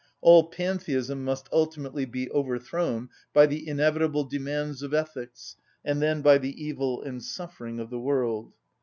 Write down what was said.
All pantheism must ultimately be overthrown by the inevitable demands of ethics, and then by the evil and suffering of the world.